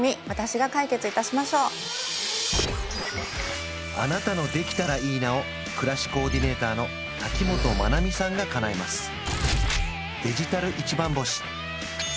私が解決いたしましょうあなたの「できたらいいな」を暮らしコーディネーターの瀧本真奈美さんがかなえます